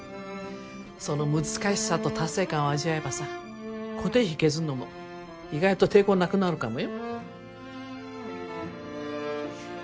その難しさと達成感を味わえばさ固定費削るのも意外と抵抗なくなるかもよ。